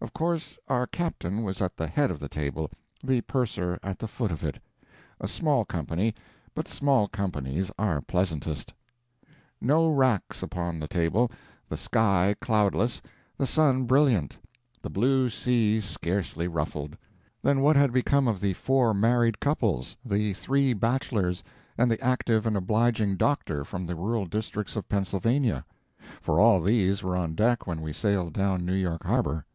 Of course, our captain was at the head of the table, the purser at the foot of it. A small company, but small companies are pleasantest. No racks upon the table; the sky cloudless, the sun brilliant, the blue sea scarcely ruffled; then what had become of the four married couples, the three bachelors, and the active and obliging doctor from the rural districts of Pennsylvania? for all these were on deck when we sailed down New York harbor.